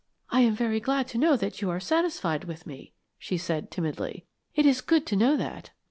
"I am very glad to know that you are satisfied with me," she said, timidly: "It is good to know that."